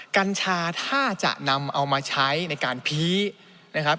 กัญชาถ้าจะนำเอามาใช้ในการพีนะครับ